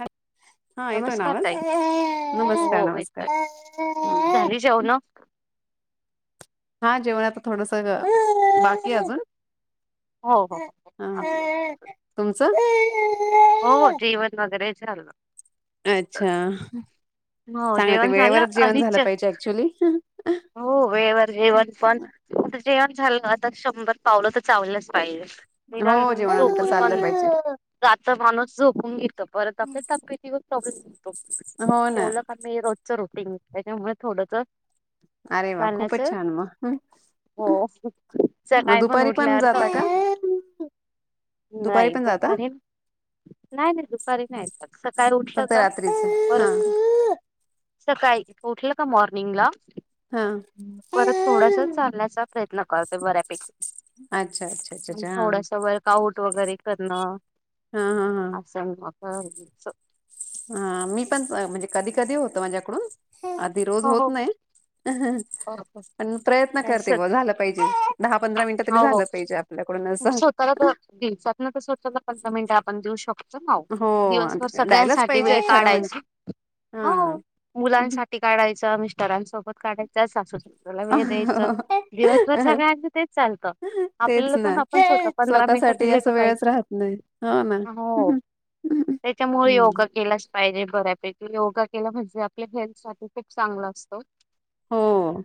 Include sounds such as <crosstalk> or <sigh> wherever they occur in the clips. ह हा येतोय ना नमस्कार आवाज ताई नमस्कार नमस्कार. जाऊ ना हा जेवण आता थोडस बाकी अजून. हो हो हो. असो असो. तुमचं हो जीवन वगैरे झाललं. अच्छा हो चांगलं ते जेवण झालं वेळेवरच जेवण झालं अि्च. पाहिजे ऍक्च्युली हो वेळेवर जेवण पण आता जेवण झालं आता शंभर पावलं तर चावलंच पाहिजे. निदान हो जेवणानंतर झोपून चाललं पण पाहिजे जात माणूस झोपून घेत परत आपल्या तब्येतीवर प्रॉब्लेम होतो. हो ना. तेवलं मी रोजच रुटीन त्याच्यामुळे थोडंच अरे वा खूपच छान. म हो मग सकाळी दुपारी पण उठल्यावर जाता थोड का? ह <unintelligible> नाही दुपारी नाही नाही दुपारी नाही सक काय उठलं फक्त का रात्रीच हा परतकर सकाळी उठलं का मॉर्निंगला हा परत थोडासा चालण्याचा प्रयत्न करते बऱ्यापैकी. अच्छा अच्छा अच्छा अच्छा हा थोडस वर्कआउट वगैरे करणं हा -हा -हा. सग मका <unintelligible> हा मी पण म्हणजे कधी कधी होत माझ्याकडून रोज हो होत हो हो नाही? बरोबर पण प्रयत्न काय करते बघ झाला पाहिजे. दहा पंधरा मिनिटं तरी हो हो झालं पाहिजे आपल्याकडून असं. स्वतःला दिवसातन स्वतःला पंरा मिनिट आपण देऊ शकतो. हो दिवसभर द्यायलाच सगळ्यांसाठी पाहिजे वेळ खरं काढायच म्हणजे हो हा. मुलांसाठी ी काढायं मिस्टरांसोबत काढायचं सासूस ला वेळ द्यायचं दिवसभर ज काय तेच चालतं तेच आपल्याला पण ना पण स पंधरा मिनिटात स्वतःसाठी दिले तर असं वेळच पाहिजे राहत नाही हो ना. हो त्याच्यामुळे योगा केला. पाहिजे बऱ्यापैकी योगा केला म्हणजे आपल्या हेल्थ साठी खूप चांगला असतो. हो.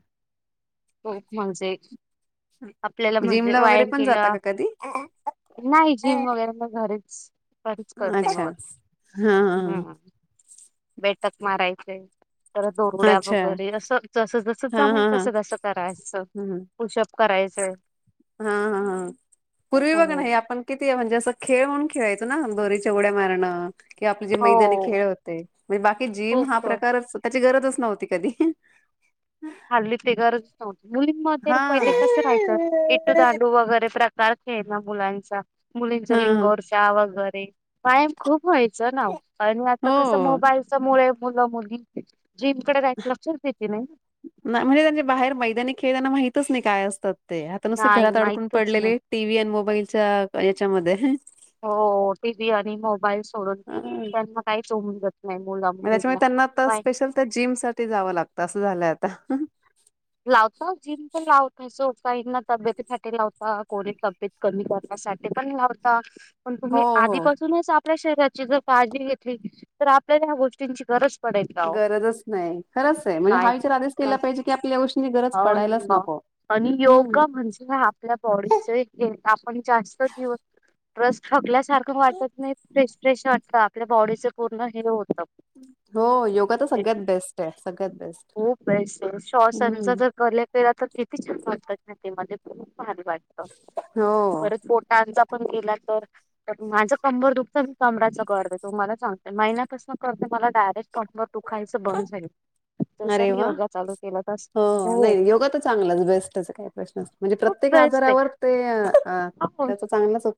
हो म्हणजे? आपल्याला जिम म्हणजे ला वगैरे व्यायाम पण जाता केला का कधी? नाही जिम वगैरे म घरीच घरीच करते मी अच्छा वर्क हा हा हम्म बैठक मारायचे तर हा दोरउड्या अच्छा वगैरे.. असं जसं जसं हा जमेल हा हा. तसं तसं करायचं पुशप करायचे हा हा हा... पूर्वी हो बघा ना हे आपण किती म्हणजे... असं खेळ म्हणून खेळायचो ना, दोरीच्या उड्या मारणं कि आपली जे मैदानी हो खेळ होते. म्हणजे बाकी जिम हा खूप प्रकारच... त्याची गरजच नव्हती कधी हाल्ली ती गरजच नव्हती... मुलींमध्ये हा पहिले कसं राहायचं.. इटू दांडू वगैरे प्रकार खेळनं मुलांचा... मुलींचा हा लिंगोरच्या वगैरे व्यायाम खूप व्हायचा ना ओ... आणि आता कसं हो मोबाईलच्या मुळे मुलं मुली जीमकडे काय लक्षच देती नाई नाई... म्हणजे त्यांचे बाहेर मैदानी खेळ त्यांना माहितच नाई काय असतात ते, आता कसे नाही घरात अडकून माहितच नाही पडलेले टी. व्ही अन मोबाईलच्या याच्यामध्ये... हुं हो... टी. व्ही आणि मोबाईल सोडून, हा, त्यांना काहीच उमजत नाई... मुला मुलींना पाय तर... जिम साठी जावं लागत, असं झालंय आता, हुं लावतात, जिम पण लावत नाही, <unintelligible> तब्येतीसाठी लावतो हा... पोरी तब्येत कमी करण्यासाठी पण लावता. पण हो तुम्ही हो आधीपासूनच आप आपल्या शरीराची जर काळजी घेतली तर आपल्याला ह्या गोष्टींची गरज पडेल का ओ गरजच नाई... खरंच ए. म्हणजे हा नाही विचार आधीच केला नाही पाहिजे, की आपल्यालाया गोष्टीची गरज अ... पडायलाच <unintelligible> नको आणि योग हम्म म्हणजे ह आपल्या बॉडीचं <unintelligible> आप जास्त दिवस स्ट्रेस टाकल्यास सारखं वाटत नाही.. फ्रेस्ट्रेशन वाटतं, आपल्या बॉडीचं पूर्ण हे होतं हो... योगा तर ते सगळ्यात बेस्ट ए... सगळ्यात बेस्ट. खूप बेस्ट ए... <unintelligible> हम्म जर कलेक्ट ला तर किती छान वाटतं... <unintelligible> खूप भारी वाटतं... हो परत पोटांचा पण केला तर तर माझं कंबर दुखतं... मी कमराचं करते. तो मला सांगतोय. महिन्या पासून करतेय, मला डायरेक्ट <unintelligible> दुखायचं बंद झाली. जस अरे मी वा... योगा चालू केला तस हो नाही, योगा तर चांगलाच... बेस्टच ए प्रश्नच... म्हणजे खूप प्रत्येक बेस्ट आजारावर आहे ते..... अ... हो त्याचा चांगलाच उप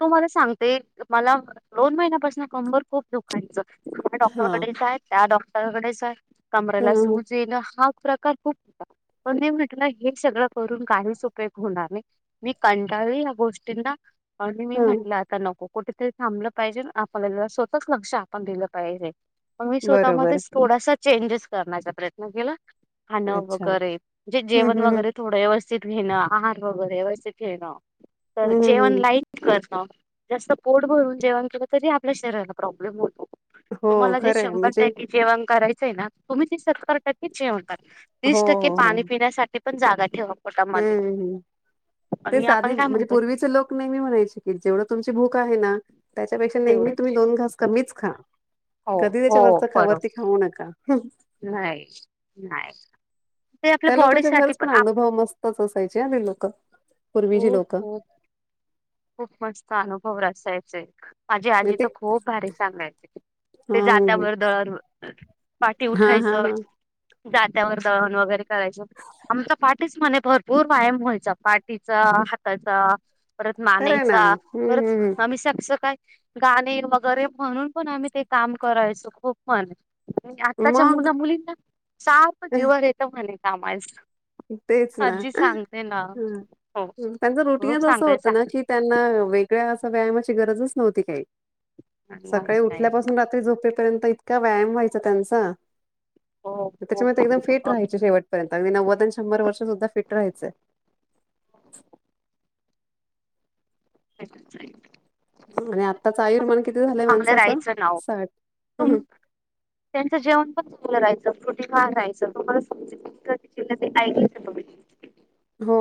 तुम्हाला सांगते, मला दोन महिन्यापासनं कंबर खूप दुखायचं ह्या हा डॉक्टरकडे जाय, त्या डॉक्टरकडे जाय, कमरेला ह सूज येणं हा प्रकार खूप होता, पण मी म्हटलं... हे सगळं करून काहीच उपयोग होणार नाई मी कंटाळली या गोष्टींना आणि मी हा म्हटलं तर नको... कुठेतरी थांबलं पाहिजे, आपल्याला स्वतःच लक्ष आपण दिलं पाहिजे मग मी बरोबर स्वतःमध्येच थोडासा चेंजेस करण्याचा प्रयत्न केला खाणं अच्छा वगैरे... म्हणजे हम्म जेवण हम्म वगैरे, थोडं व्यवस्थित घेणं आहार वगैरे व्यवस्थित घेणं तर हम्म हम्म जेवन हम्म लाईट करणं, जास्त पोट भरून जेवण केलं तरी आपल्या शरीराला प्रॉब्लेम होतो हो तुम्हाला जे खरंय शंभर म्हणजे टक्के जेवण करायचंय ना, तुम्ही ते सत्तर टक्केच जेवण करा. हो तीस टक्के हो हो पाणी पिण्यासाठी ती पण जागा ठेवा पोटामध्ये हम्म... आणि तेच आपण आधी, काय म्हणजे म्हणतो पूर्वीचे लोक नेहमी म्हणायची, की जेवढी तुमची भूक आहे ना त्याच्यापेक्षा नेहमी तुम्ही तेवढेच दोन घास कमीच खा, हो कधी त्याच्या वरचं... वरती खाऊ नका... हुं न्हाई, न्हाई... ते आपल्या बॉडीसाठी पण आप तसंच राहायचे ते लोकं, पूर्वीची खूप लोकं खूप खूप मस्त अनुभव <unintelligible> आजी... म आजी ते तर खूप भारी सांगायची हा ते ह जात्यावर दळण, पहाटी हा हा उठायचं हा जात्यावर दळण वगैरे करायचं आमचा पाठीच म्हणे भरपूर खरंय ना मानेयचा पर हम्म आम सबस काय? गाणे वगैरे म्हणून पण आम्ही ते काम करायचो खूप पण आणि हम् आताच्या मग मुला मुलींना सारख जीवार येत म्हणे कामाच तेच ना आजी सांगते ना ह हो त्यांच रुटिंगच खूप असं सांगते होतं ना सांग कि त्यांना वेगळ्या असं व्यायामाची गरजच नव्हती काही नाही सकाळी नाही. उठल्यापासून रात्री झोपेपर्यंत इतका व्यायाम व्हायचा त्यांचा. हो हो त्याच्यामध्ये एकदम फिट हो राहायची शेवटपर्यंत अगदी नव्वद आणि शंभर वर्ष सुद्धा फिट राहायचंय. <unintelligible> आणि आत्ताच आयुर्मान किती झालंय चांगलं माणसाचं राहायचं नाव साठ तुम ह. त्यांचं जेवण पण चागलं राहायचं प्रोटीन खान रायचं तो कध क ते ऐकच प <unintelligible> हो...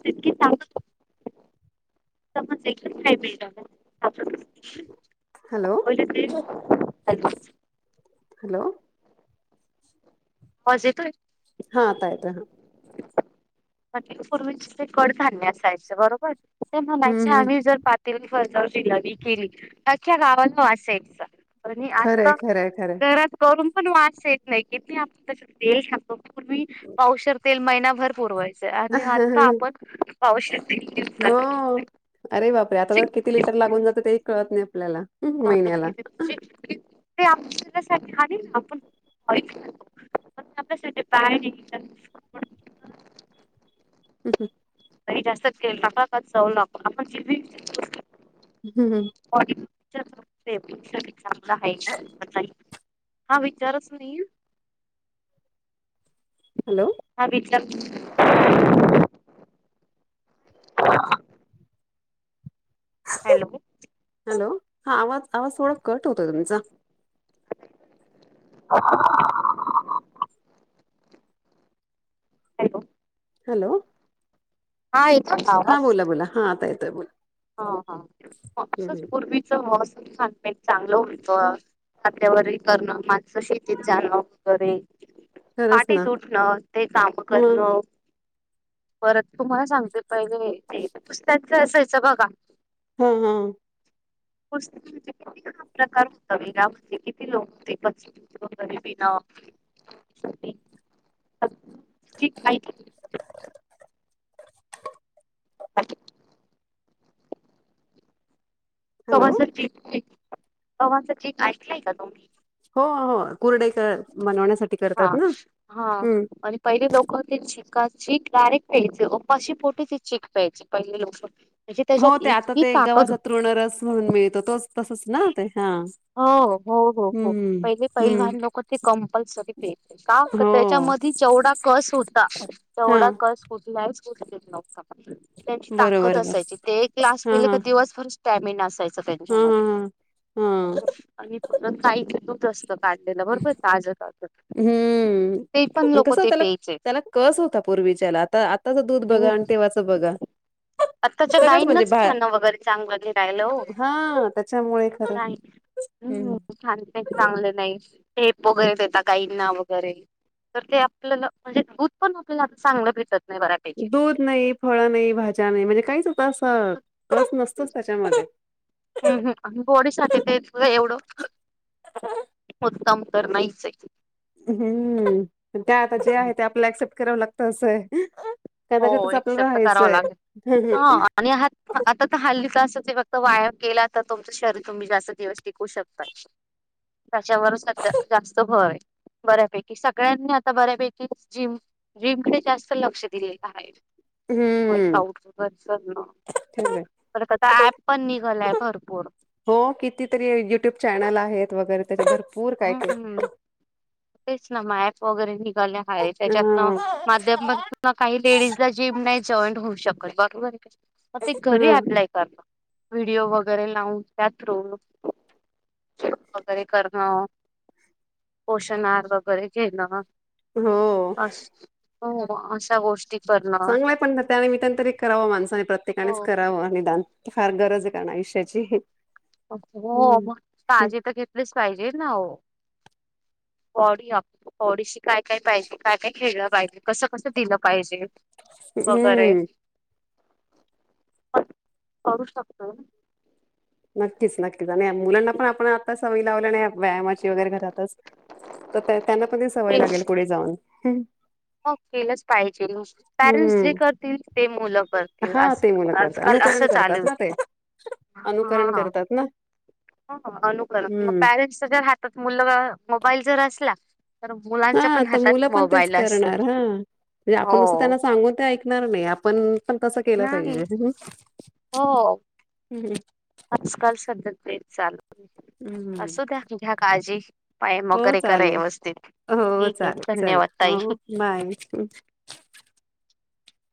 तितकी सांग <unintelligible> समज एकच का मिळत आपण हॅलो <unintelligible> हो. हॅलो. आवाज येतोय. हा आता येतोय ह. पूर्वीच ते कडधान्य असायचं बरोबर ते म्हणायचे हम्म हम्म आम्ही जर पातळी फजाव जिलबी केली अख्ख्या गावात वास यायचा. आणि खरंय आता खरंय खरंय. घरात करून पण वास येत नाही किती पूर्वी पावशेर तेल महिनाभर पुरवायच आणि आत्ता आपण पावशेर तीन हो. <unintelligible> अरे बापरे आता तर किती लिटर लागून जातं तेही कळत नाही आपल्याला हं, ह. महिन्याला. ते आपण खा ना आपण आप बाहे <unintelligible> हम्म हम्म. ताई जास्त तेल नका खात जाऊन आपण जि हम्म. ऑडिे चांगलं आहे. <unintelligible> हा विचारच नाही. हॅलो. हा ब. <unintelligible> हॅलो. हॅलो हा आवाज आवाज थोडा कट होतोय तुमचा. हा. Hello hello. हा येतो का? हा आवाज बोला बोला हा आता येतोय बोला. हा हा असंच हं, पूर्वीच मसम छानपन चांगलं हं. होतं <unintelligible> खात्यावर करणं मागसं शेतीत जाणव वगैरे खरंच पाठी ना सुटणं ते काम मग करण परत तुम्हाला सांगते पहिले कुसत्यांच असायचं बघा हा हा. कुस्ती किती प्रकार होता वरा किती लोक होतेस <unintelligible> <inaudible> <inaudible> हॅलो कवां चेक कवांचा चेक ऐकलाय का तुम्ही? <unintelligible> हो हो कुरडाईचा बनवण्यासाठी. हा करतात ना हा हम्म. आणि पहिले लोक ते चिक चक डायरेक्ट प्यायचे अपाशी पोटी ते चीक प्यायचे पहिले लोक. हो त्याच्यात ते आता इतकी ते एक ताकद गावाचा तृण रस म्हणून मिळतो तोच तसच ना ते हा. हो हो हो हो हम्म पहिले पहिल हम्म भान लोक ते कंपल्सरी प. का हो त्याच्यामध्येध जेवढा कस होता हा तेवढा कस कुठलाहीच उठलेेत नव्हता. त्यांची ताकद बरोबर बर असायची ते एक ग्लास हा पीहिले हा. का दिवसभर स्टॅमिना असायचा त्यांच्यामध्ये हम्म. आणि काहीथ दूध असतं. काढलेलं बरोबर ताज तज हम्म ते पण लोक कसं ते त्याला प्यायचे. त्याला कस होता पूर्वीच्याला आता आताच दूध बघा आणि तेव्हाच बघा. आताच्या सगळंच म्हणजे गाईंनाच भा खाणं वगैरे चांगलं लिरायला हो हा त्याच्यामुळे खरं गाई. हम्म छान चांगले नाही हेेप वगैरे देता काईंना वगैरे. तर ते आपल्याला म्हणजे दूध पण आपल्याला आ चांगलं भेटत नाही बऱयापैकी. दूध नाही फळ नाही भाज्या नाही म्हणजे काहीच होत असं कस नसतच त्याच्यामध्ये हम् हम आणि बॉडीसाठी ते एवढं. मुद्दम तर नाहीच ये हम्म त्या आता जे हम्म. आहे ते आपला ऍक्सेप्ट करावं लागतं अस आहे. हो कदाचितच आपल्याला एक्सेप्ट करावं राहायचंय. लागेल हा आणि हात. आता तर हल्लीच अस ते फक्त वायाप केला तर तुमचं शरीर तुम्ही जास्त दिवस टिकू शकता. त्याच्यावरच सध्या जास्त भव आहे. बऱ्यापैकी सगळ्यांनी आता बऱ्यापैकी जिम जिमकडे जास्त लक्ष दिले का आहे. हो हम्म काऊच घर स ना. ठेवलंय परता ऍप पण निघलाय भरपूर. हो कितीतरी युट्यूब चॅनल आहेत वगैरे त्याच्यातर. हम हम् तेच ना मॅप वगैरे निघाले हा त्याच्यात ना. माध्यम ह काही लेडीजला जिम नाही जॉईंन होऊ शकत बरोबर आहे. मग ते घरी हा अप्लाय करलं व्हिडिओ वगैरे लावून त्यात वगैरे करं हो. पोषणारार वगैरे केलं. हो. हो अशा गोष्टी करणं चांगलंय पण त्या आणि निमित्ताने तरी करावं माणसाने प्रत्येकानेच हो करावं निदान. फार गरज आहे का ना आयुष्याची. हो हम्म मग तजी तर घेतलीच पाहिजे ना हो. बॉडी बॉडीशी काय काय पाहिजे? काय काय खेळलं पाहिजे कसं कसं दिलं पाहिजे वगैरे हम्म <unintelligible> नक्कीच नक्कीच आणि मुलांना पण आपण आता सवयी लावल्या नाही. व्यायामाची वगैरे घरातच तर त्यांना पण त सवय तेच लागेल पुढे जाऊन केलंच पाहिजे पॅरेंट्स जे हम्म करतील ते मुलं करतील हा ते मुलं असं. करतात आजकाल अनुकरण असं करतात चालू. ना ते अनुकरण हा करतात ना अनुकरणग हम्म पॅरेंट्स ने जर हट्ट मुल मोबाईल जर असला तर मुलांच्या पण हातात मोबाईल असतो. ह म्हणे हो आपण त्यांना सांगून ते ऐकणार नाही. आपण पण तस केलं नाही पाहिजे. हो आजकाल सध्या ते चाल हम्म. असू द घ्या काळजी. व्यम हो वगैरे करा चालेल व्यवस्थित हो ठीक आहे. चालेल धन्यवाद चला ताई! हो बाय.